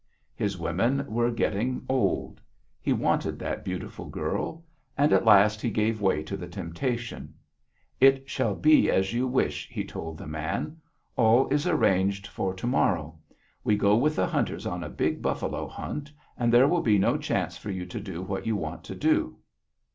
His women were getting old. He wanted that beautiful girl. And at last he gave way to the temptation: 'It shall be as you wish,' he told the man. 'All is arranged for to morrow; we go with the hunters on a big buffalo hunt, and there will be no chance for you to do what you want to do.